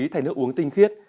thành nước uống tinh khiết